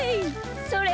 それ。